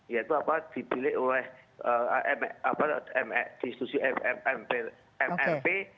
itu apa dipilih oleh apa di institusi mlp